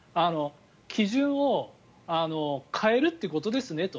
基準を変えるということですねと。